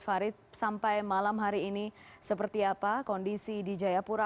farid sampai malam hari ini seperti apa kondisi di jayapura